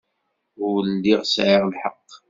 Ur lliɣ sɛiɣ lḥeqq.